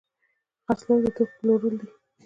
خرڅلاو د توکو پلورل دي.